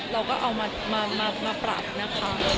เราก็เอามาปรับนะคะ